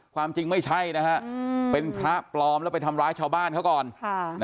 ความจริงไม่ใช่นะฮะเป็นพระปลอมแล้วไปทำร้ายชาวบ้านเขาก่อน